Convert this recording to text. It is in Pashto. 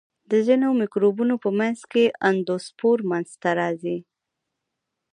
د ځینو مکروبونو په منځ کې اندوسپور منځته راځي.